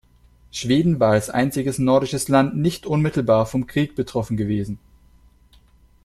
Schweden war als einziges nordisches Land nicht unmittelbar vom Krieg betroffen gewesen.